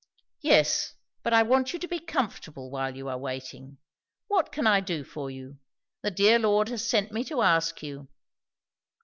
"Yes, but I want you to be comfortable while you are waiting. What can I do for you? The dear Lord has sent me to ask you."